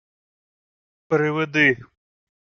— Приведи.